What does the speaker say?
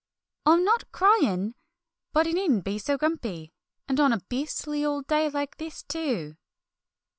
"I'm not crying! But he needn't be so grumpy, and on a beastly old day like this, too!"